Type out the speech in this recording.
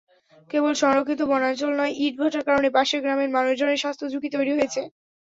কেবল সংরক্ষিত বনাঞ্চল নয়, ইটভাটার কারণে পাশের গ্রামের মানুষজনের স্বাস্থ্যঝুঁকি তৈরি হয়েছে।